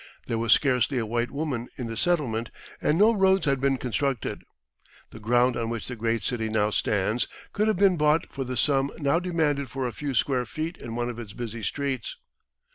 There was scarcely a white woman in the settlement, and no roads had been constructed. The ground on which the great city now stands could have been bought for the sum now demanded for a few square feet in one of its busy streets.